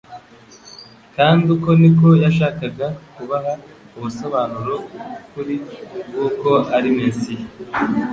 kandi uko niko yashakaga kubaha ubusobanuro bw'ukuri bw'uko ari Mesiya.